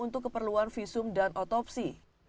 untuk keperluan visum dan otopsi